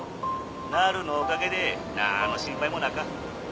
なるのおかげで何の心配もなか。